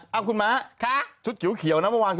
เอามาใส่ตีซี่มา